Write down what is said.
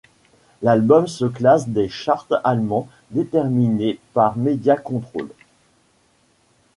L'album se classe des charts allemands déterminés par Media Control.